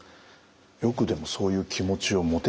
よくでもそういう気持ちを持てましたね。